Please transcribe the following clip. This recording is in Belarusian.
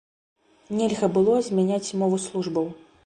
Нельга было змяняць мову службаў.